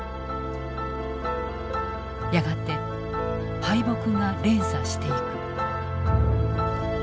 やがて敗北が連鎖していく。